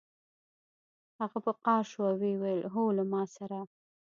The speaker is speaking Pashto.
هغه په قهر شو او ویې ویل هو له ما سره